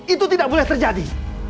itu tidak boleh terjadi